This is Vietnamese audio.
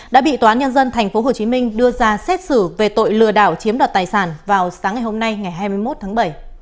đã bị tòa nhân dân tp hcm đưa ra xét xử về tội lừa đảo chiếm đoạt tài sản vào sáng ngày hôm nay ngày hai mươi một tháng bảy